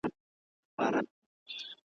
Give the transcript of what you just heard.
د پانوس تتي رڼا ته به شرنګی وي د پایلو ,